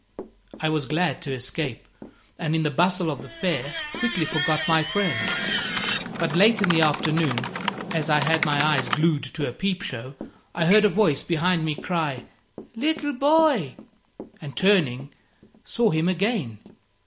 I was glad to escape, and in the bustle of the fair quickly forgot my friend. But late in the afternoon, as I had my eyes glued to a peep show, I heard a voice behind me cry "Little boy!" and turning, saw him again.